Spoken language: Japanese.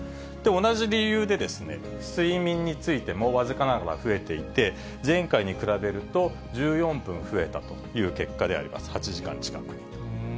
同じ理由でですね、睡眠についても僅かながら増えていて、前回に比べると、１４分増えたという結果であります、８時間近く。